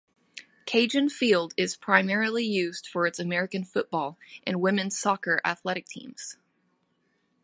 Cajun Field is primarily used for its American football and women's soccer athletic teams.